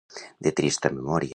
De trista memòria.